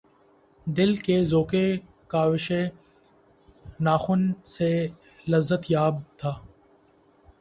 دل کہ ذوقِ کاوشِ ناخن سے لذت یاب تھا